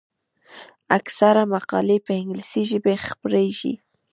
اکثره مقالې په انګلیسي ژبه خپریږي.